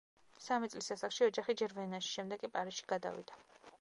სამი წლის ასაკში ოჯახი ჯერ ვენაში, შემდეგ კი პარიზში გადავიდა.